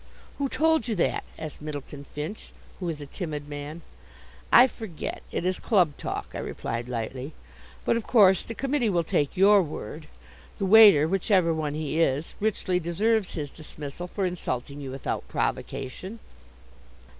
"Who told you that?" asked Myddleton Finch, who is a timid man. "I forget; it is club talk," I replied lightly. "But of course the committee will take your word. The waiter, whichever one he is, richly deserves his dismissal for insulting you without provocation."